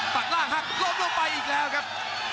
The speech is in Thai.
ตัดล่างหักล้มลงไปอีกแล้วครับ